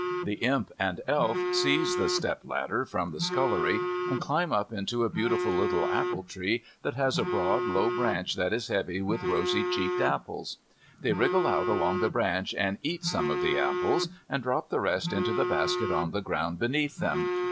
The Imp and the Elf seize the step ladder from the scullery and climb up into a beautiful little apple tree that has a broad low branch that is heavy with rosy cheeked apples. They wriggle out along the branch and eat some of the apples and drop the rest into the basket on the ground beneath them.